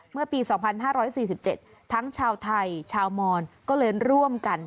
เมื่อปีสองพันห้าร้อยสี่สิบเจ็ดทั้งชาวไทยชาวมรก็เรียนร่วมกัน